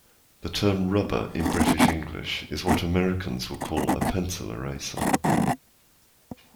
The term rubber in British English is what Americans would call a pencil eraser